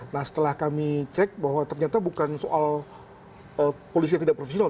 nah setelah kami cek bahwa ternyata bukan soal polisi yang tidak profesional